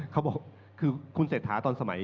เขาบอกคือคุณเศรษฐาตอนสมัย